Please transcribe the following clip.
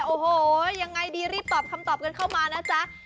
โอ้โหยังไงดีรีบตอบคำตอบกันเข้ามานะจ๊ะ